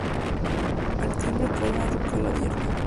Al timbre corona ducal abierta.